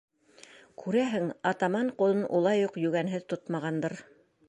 Күрәһең, атаман ҡулын улай уҡ йүгәнһеҙ тотмағандыр.